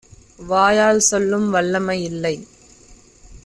வாயால் சொல்லும் வல்லமை இல்லை.